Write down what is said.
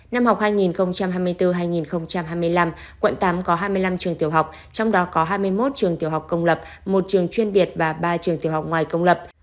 năm học hai nghìn hai mươi bốn hai nghìn hai mươi năm quận tám có hai mươi năm trường tiểu học trong đó có hai mươi một trường tiểu học công lập một trường chuyên biệt và ba trường tiểu học ngoài công lập